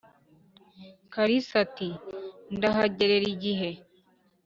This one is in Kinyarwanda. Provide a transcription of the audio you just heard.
kalisa ati"ndahagerera igihe"